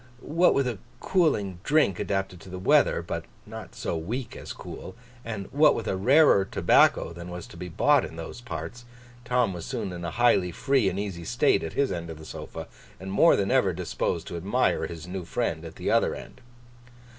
What with a cooling drink adapted to the weather, but not so weak as cool; and what with a rarer tobacco than was to be bought in those parts; Tom was soon in a highly free and easy state at his end of the sofa, and more than ever disposed to admire his new friend at the other end.